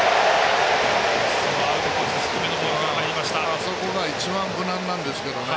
あそこが一番無難なんですけどね。